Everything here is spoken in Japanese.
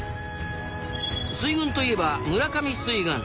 水軍といえば村上水軍。